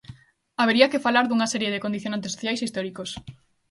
Habería que falar dunha serie de condicionantes sociais e históricos.